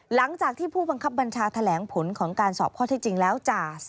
หลังจากที่ผู้บังคับบัญชาแถลงผลของการสอบข้อที่จริงแล้วจ่า